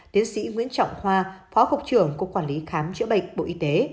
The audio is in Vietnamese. tiến sĩ nguyễn trọng khoa phó cục trưởng cục quản lý khám chữa bệnh bộ y tế